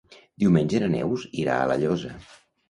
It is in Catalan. Diumenge na Neus irà a La Llosa.